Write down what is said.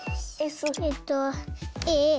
えっとａ。